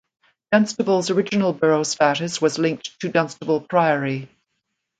Dunstable’s original borough status was linked to Dunstable Priory.